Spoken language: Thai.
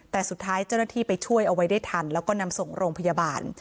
แต่สุดท้ายเจ้าหน้าที่ไปช่วยเอาไว้ได้ทันแล้วก็นำส่งโรงพยาบาล